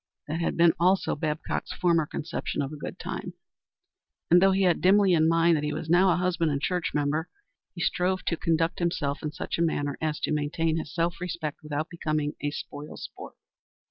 That had been also Babcock's former conception of a good time, and though he had dimly in mind that he was now a husband and church member, he strove to conduct himself in such a manner as to maintain his self respect without becoming a spoil sport.